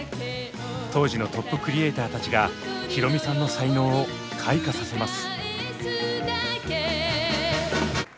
当時のトップクリエイターたちが宏美さんの才能を開花させます。